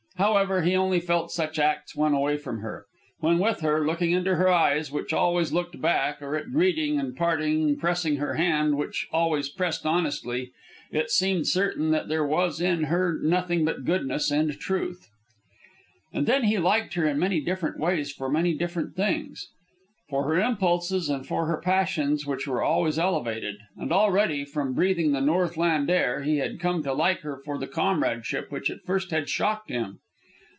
However, he only felt such hurts when away from her. When with her, looking into her eyes which always looked back, or at greeting and parting pressing her hand which always pressed honestly, it seemed certain that there was in her nothing but goodness and truth. And then he liked her in many different ways for many different things. For her impulses, and for her passions which were always elevated. And already, from breathing the Northland air, he had come to like her for that comradeship which at first had shocked him.